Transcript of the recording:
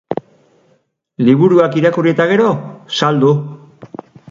Liburuak irakurri eta gero, saldu.